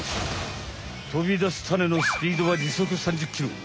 飛びだすタネのスピードは時速３０キロ。